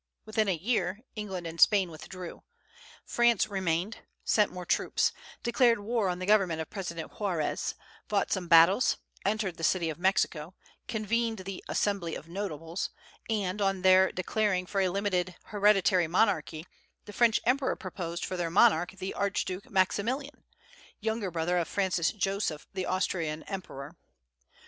Within a year England and Spain withdrew. France remained; sent more troops; declared war on the government of President Juarez; fought some battles; entered the City of Mexico; convened the "Assembly of Notables;" and, on their declaring for a limited hereditary monarchy, the French emperor proposed for their monarch the Archduke Maximilian, younger brother of Francis Joseph the Austrian emperor.